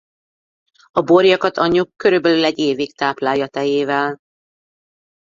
A borjakat anyjuk körülbelül egy évig táplálja tejével.